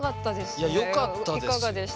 いやよかったです！